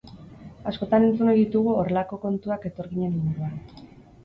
Askotan entzun ohi ditugu horrelako kontuak etorkinen inguruan.